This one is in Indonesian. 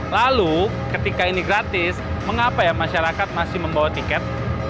lalu ketika ini gratis mengapa ya masyarakat masih membawa tiket